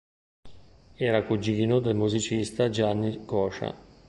Era cugino del musicista Gianni Coscia.